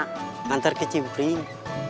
kantor ke cimpring